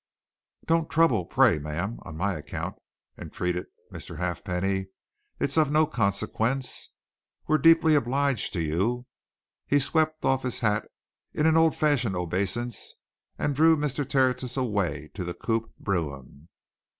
"Don't trouble, pray, ma'am, on my account," entreated Mr. Halfpenny. "It's of no consequence. We're deeply obliged to you." He swept off his hat in an old fashioned obeisance and drew Mr. Tertius away to the coupé brougham.